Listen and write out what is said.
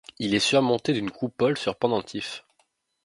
Il est surmonté d'une coupole sur pendentifs.